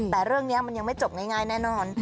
แต่เรื่องนี้มันยังไม่จบง่ายแน่นอน